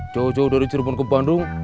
jauh jauh dari cirebon ke bandung